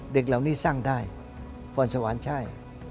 เด็กเหล่านี้สร้างได้พรสวรรค์ใช่